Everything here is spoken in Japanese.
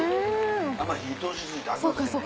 あんま火通し過ぎたらあきませんねん。